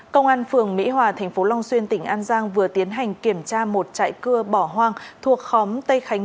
công an phường mỹ hòa tp long xuyên tỉnh an giang vừa tiến hành kiểm tra một trại cưa bỏ hoang thuộc khóm tây khánh năm